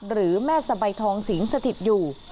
หรือแม่สะใบทองสิงสถิตอยู่